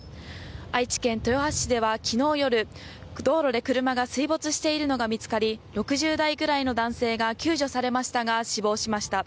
愛知県豊橋市では昨日夜道路で車が水没しているのが見つかり６０代くらいの男性が救助されましたが死亡しました。